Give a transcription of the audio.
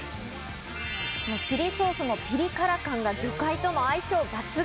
チリソースのピリ辛感が魚介との相性抜群。